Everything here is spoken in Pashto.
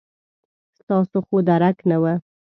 ستاسو خو درک نه و.